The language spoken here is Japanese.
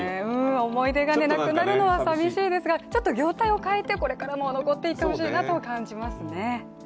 思い出がなくなるのは寂しいですが業態を変えてこれからも残っていってほしいなと感じますね